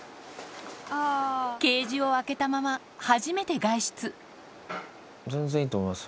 ケージを開けたまま初めて外出全然いいと思います